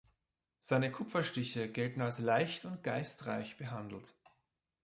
Seine Kupferstiche gelten als leicht und geistreich behandelt.